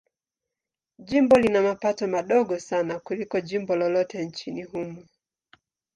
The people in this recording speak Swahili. Jimbo lina mapato madogo sana kuliko jimbo lolote nchini humo.